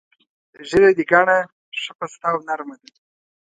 ږیره دې ګڼه، ښه پسته او نر مه ده.